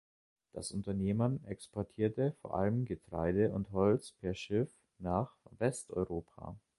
Das Unternehmen exportierte vor allem Getreide und Holz per Schiff nach Westeuropa.